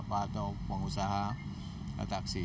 atau pengusaha taksi